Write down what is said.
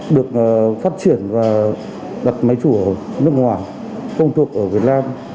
được phát triển và đặt máy chủ ở nước ngoài không thuộc ở việt nam